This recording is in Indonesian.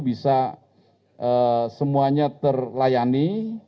bisa semuanya terlayani